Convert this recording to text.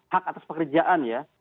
hak atas pekerjaan ya